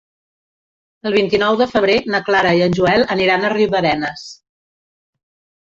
El vint-i-nou de febrer na Clara i en Joel aniran a Riudarenes.